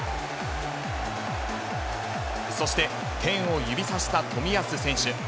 そして天を指さした冨安選手。